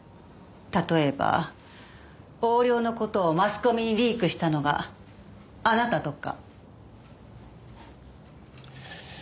例えば横領の事をマスコミにリークしたのがあなたとか。